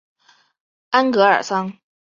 安戈尔桑。